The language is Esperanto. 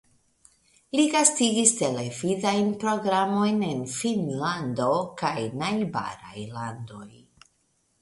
Li gastigis televidajn programojn en Finnlando kaj najbaraj landoj.